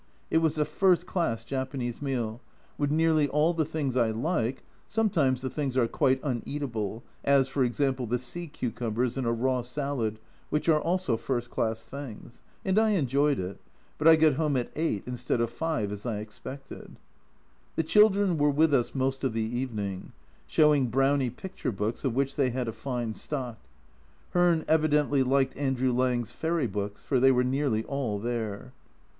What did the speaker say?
It was a " first class " Japanese meal, with nearly all the things I like (sometimes the things are quite uneatable, as, for example, the "sea cucumbers" in a raw salad, which are also first class things), and I enjoyed it, but I got home at 8 instead of 5 as I expected. The children were with us most of the evening, showing Brownie picture books, of which they had a fine stock. Hearn evidently liked Andrew Lang's fairy books, for they were nearly all there.